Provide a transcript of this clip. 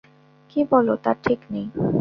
কী বল তার ঠিক নেই।